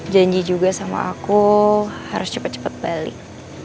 janji juga sama aku harus cepet cepet balik